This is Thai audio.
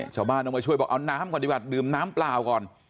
ชาวบ้านต้องมาช่วยบอกเอาน้ำก่อนดีกว่าดื่มน้ำเปล่าก่อน